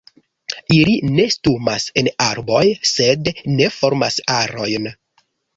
Ili nestumas en arboj, sed ne formas arojn.